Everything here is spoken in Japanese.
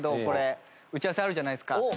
これ打ち合わせあるじゃないですか。